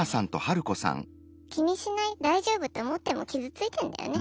気にしない大丈夫って思っても傷ついてんだよね。